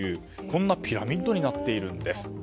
こんなピラミッドになっているんです。